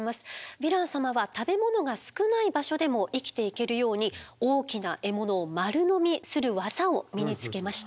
ヴィラン様は食べ物が少ない場所でも生きていけるように大きな獲物を丸のみする技を身につけました。